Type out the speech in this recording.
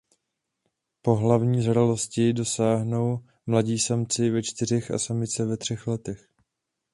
Pohlavní zralosti dosáhnou mladí samci ve čtyřech a samice ve třech letech.